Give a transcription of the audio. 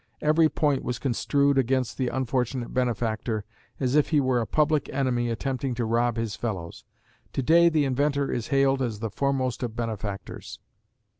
Every point was construed against the unfortunate benefactor, as if he were a public enemy attempting to rob his fellows. To day the inventor is hailed as the foremost of benefactors.